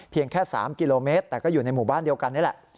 แค่๓กิโลเมตรแต่ก็อยู่ในหมู่บ้านเดียวกันนี่แหละ